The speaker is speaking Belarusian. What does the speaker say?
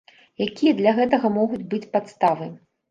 Якія для гэтага могуць быць падставы?